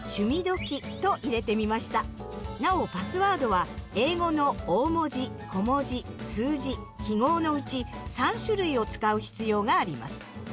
なおパスワードは英語の大文字小文字数字記号のうち３種類を使う必要があります。